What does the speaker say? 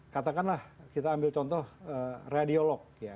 katakanlah kita ambil contoh radiolog ya